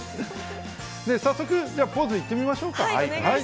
早速、ポーズいってみましょうか。